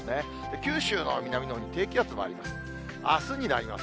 九州の南のほうに低気圧もあります。